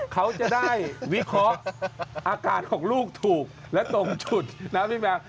เขาจะได้วิเคราะห์อาการของลูกถูกและตรงจุดนะพี่แมว